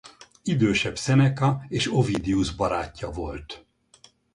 Idősebb Seneca és Ovidius barátja volt.